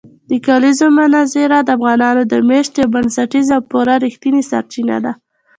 د کلیزو منظره د افغانانو د معیشت یوه بنسټیزه او پوره رښتینې سرچینه ده.